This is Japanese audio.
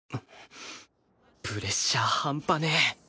プレッシャー半端ねえ